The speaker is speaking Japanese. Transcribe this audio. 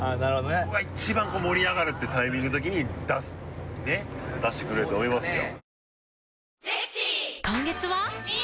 ここが一番盛り上がるってタイミングのときに出してくれると思いますよ。